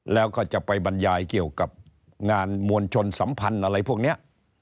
แล้วก็จะไปบรรยายเกี่ยวกับงานมวลชนสัมพันธ์อะไรพวกนี้